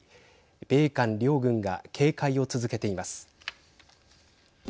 米韓両軍が警戒を続けています。